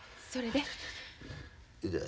それで？